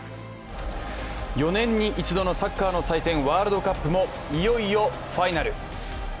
４年に１度のサッカーの祭典、ワールドカップもいよいよファイナル。